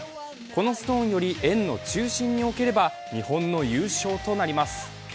このストーンより円の中心に置ければ、日本の優勝となります。